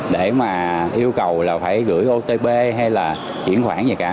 để mà yêu cầu là phải gửi otp hay là chuyển khoản gì cả